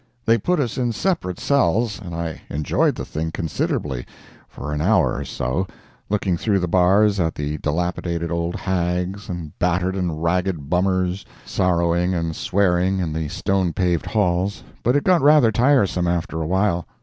They put us in separate cells, and I enjoyed the thing considerably for an hour or so, looking through the bars at the dilapidated old hags, and battered and ragged bummers, sorrowing and swearing in the stone paved halls, but it got rather tiresome after a while.